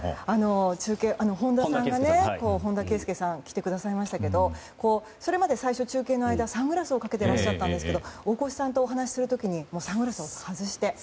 中継、本田圭佑さんが来てくださいましたけどそれまで最初中継の間サングラスをかけていましたが大越さんとお話しする時にサングラスを外して。